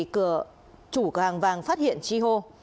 cửa chủ cửa hàng vàng phát hiện chi hô